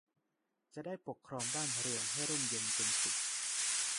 จะได้ปกครองบ้านเมืองให้ร่มเย็นเป็นสุข